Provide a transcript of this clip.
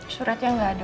suratnya gak ada